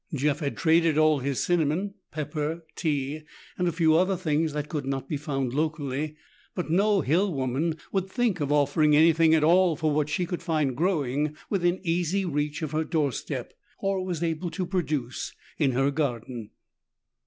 Jeff had traded all his cinnamon, pepper, tea and the few other things that could not be found locally. But no hill woman would think of offering anything at all for what she could find growing within easy reach of her doorstep or was able to produce in her garden.